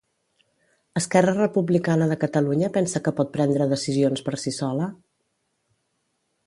Esquerra Republicana de Catalunya pensa que pot prendre decisions per si sola?